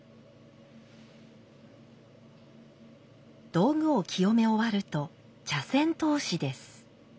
道具を清め終わると茶筅通しです。